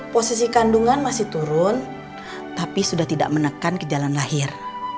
posisi kandungan masih turun tapi sudah tidak menekan ke jalan lahir